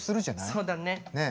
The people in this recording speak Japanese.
そうだね。